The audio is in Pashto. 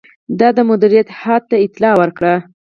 ده مدیره هیات ته اطلاع ورکړه.